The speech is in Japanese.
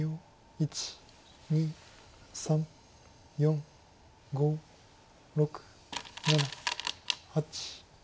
１２３４５６７８。